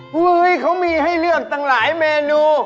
เฮ้ยเขามีให้เลือกตั้งหลายเมนู